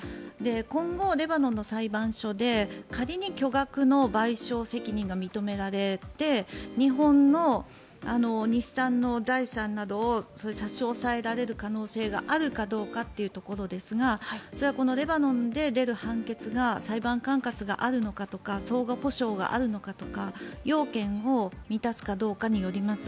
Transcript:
今後、レバノンの裁判所で仮に巨額の賠償責任が認められて日本の日産の財産などを差し押さえられる可能性があるかどうかというところですがそれはレバノンで出る判決が裁判管轄があるのかとか相互保障があるのかとか、要件を満たすかどうかによります。